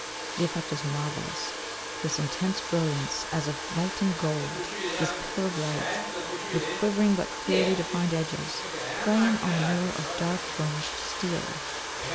The effect is marvellous: this intense brilliance as of molten gold, this pillar of light with quivering but clearly defined edges, playing on a mirror of dark burnished steel.